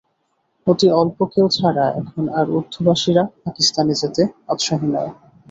অতি অল্প কেউ ছাড়া এখন আর উর্দুভাষীরা পাকিস্তানে যেতে উৎসাহী নয়।